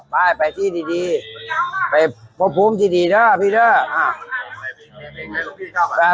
ไปไปที่ดีดีไปประภูมิที่ดีเถอะพี่เถอะอ่า